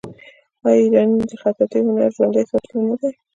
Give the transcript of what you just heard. آیا ایران د خطاطۍ هنر ژوندی ساتلی نه دی؟